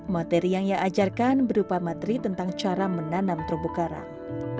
materi yang ia ajarkan berupa materi tentang cara menanam terumbu karang